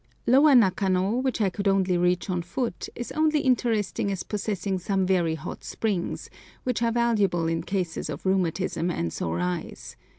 Lower Nakano, which I could only reach on foot, is only interesting as possessing some very hot springs, which are valuable in cases of rheumatism and sore eyes.